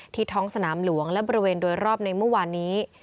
ท้องสนามหลวงและบริเวณโดยรอบในเมื่อวานนี้